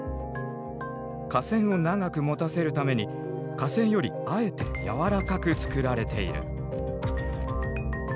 架線を長くもたせるために架線よりあえてやわらかく作られている。